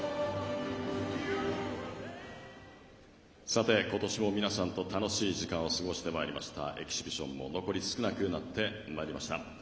さて、今年も皆さんと楽しい時間を過ごしてまいりましたエキシビジョンも残り少なくなってまいりました。